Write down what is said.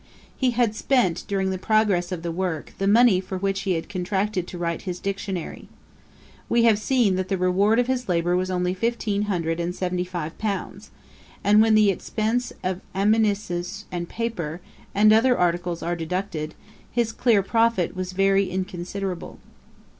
He had spent, during the progress of the work, the money for which he had contracted to write his Dictionary. We have seen that the reward of his labour was only fifteen hundred and seventy five pounds; and when the expence of amanuenses and paper, and other articles are deducted, his clear profit was very inconsiderable.